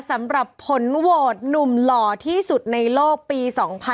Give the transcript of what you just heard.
สำหรับผลโหวตหนุ่มหล่อที่สุดในโลกปี๒๕๖๒